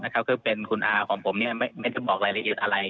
คือเป็นคุณอาของผมไม่ได้บอกรายละเอียดอะไร